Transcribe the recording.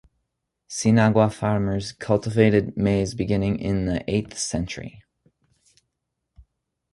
Sinagua farmers cultivated maize beginning in the eighth century.